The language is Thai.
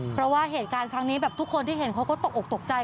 เพราะว่าเหตุการณ์ครั้งนี้แบบทุกคนที่เห็นเขาก็ตกออกตกใจ